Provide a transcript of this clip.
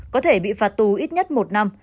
có thể bị phạt tù ít nhất một năm